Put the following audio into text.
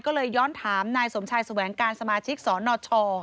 ก็เลยย้อนถามนายสมชายแสวงการสมาชิกสนช